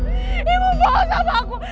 ibu bawa sama aku